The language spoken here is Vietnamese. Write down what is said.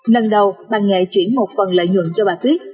lần đầu bà nghệ chuyển một phần lợi nhuận cho bà tuyết